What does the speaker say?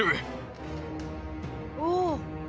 おお！